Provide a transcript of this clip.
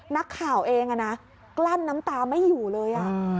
นักข่าวเองกลั้นน้ำตาไม่อยู่เลย